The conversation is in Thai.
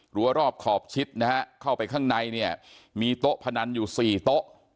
รอบขอบชิดนะฮะเข้าไปข้างในเนี่ยมีโต๊ะพนันอยู่๔โต๊ะ